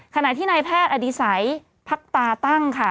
ขณะที่นายแพทย์อดีศัยพักตาตั้งค่ะ